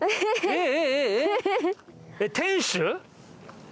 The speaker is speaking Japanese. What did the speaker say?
えっ！？